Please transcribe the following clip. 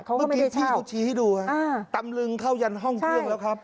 เมื่อกี้ที่เราชี้ให้ดูตำลึงเข้ายันห้องเครื่องแล้วครับ